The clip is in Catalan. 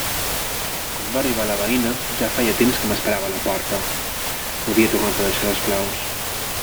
Quan va arribar la veïna, ja feia temps que m'esperava a la porta: m'havia tornat a deixar les claus.